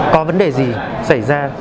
có vấn đề gì xảy ra